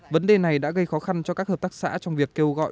vấn đề này đã gây khó khăn cho các hợp tác xã trong việc kêu gọi